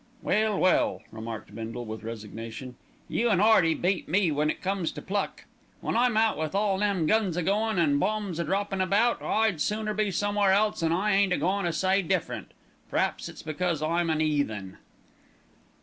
"Well, well!" remarked Bindle, with resignation, "you an' 'Earty beat me when it comes to pluck. When I'm out with all them guns a goin', an' bombs a droppin' about, I'd sooner be somewhere else, an' I ain't a goin' to say different. P'raps it's because I'm an 'eathen."